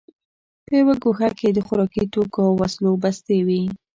په یوه ګوښه کې د خوراکي توکو او وسلو بستې وې